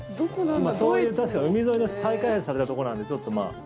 今そういう確か海沿いの再開発されたところなのでちょっと、まあ。